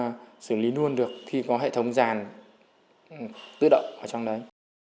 về rau sạch cũng xử lý luôn được khi có hệ thống ràn tự động ở trong đấy